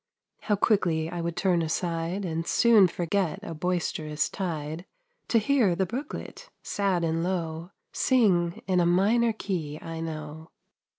How quickly I would turn aside, And soon forget a boist'rous tide, To hear the brooklet, sad and low, Sing in a minor key I know.